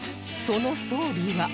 その装備は？